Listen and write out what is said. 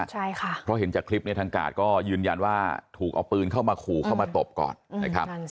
ใช่ค่ะเพราะเห็นจากคลิปเนี่ยทางกาดก็ยืนยันว่าถูกเอาปืนเข้ามาขู่เข้ามาตบก่อนนะครับ